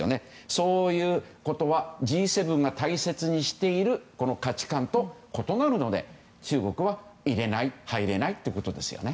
そういうことはＧ７が大切にしているこの価値観と異なるので中国は入れないということですよね。